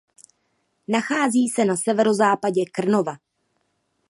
Nachází se na severozápadě Krnova.